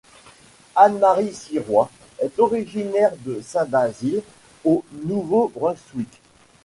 Anne-Marie Sirois est originaire de Saint-Basile, au Nouveau-Brunswick.